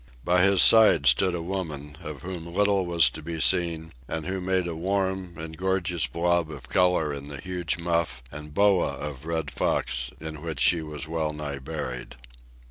By his side stood a woman, of whom little was to be seen and who made a warm and gorgeous blob of colour in the huge muff and boa of red fox in which she was well nigh buried.